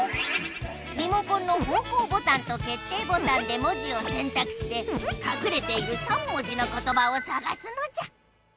リモコンのほうこうボタンとけっていボタンで文字をせんたくしてかくれている３文字のことばをさがすのじゃ！